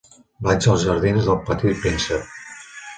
Vaig als jardins d'El Petit Príncep.